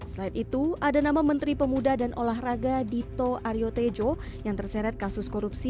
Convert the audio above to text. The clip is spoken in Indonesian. selain itu ada nama menteri pemuda dan olahraga dito aryo tejo yang terseret kasus korupsi